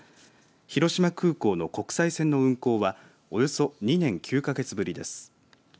広島空港の国際線の運航はおよそ２年９か月ぶりです。